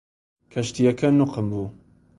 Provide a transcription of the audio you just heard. کەشتیەکە نوقم بوو.